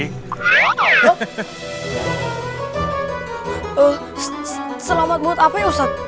uh selamat buat apa ya ustaz